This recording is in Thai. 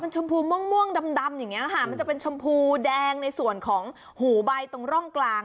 ชมพูม่วงดำอย่างนี้ค่ะมันจะเป็นชมพูแดงในส่วนของหูใบตรงร่องกลาง